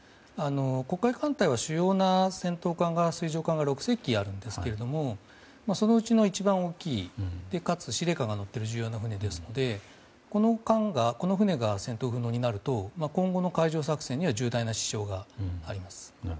黒海艦隊は主要な水上艦が６隻あるんですがそのうちの一番大きくかつ司令官が乗っている船ですのでこの船が戦闘不能になると今後の海上作戦には重大な支障があります。